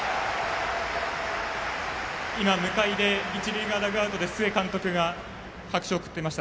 今、向いで一塁側ダグアウトで須江監督が拍手を送っていました。